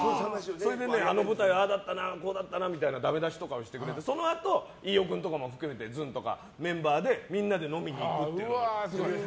それで、あの舞台ああだったなこうだったなみたいなダメ出しとかをしてくれてそのあと、飯尾君とかも含めてずんとかメンバーでみんなで飲みに行くっていう。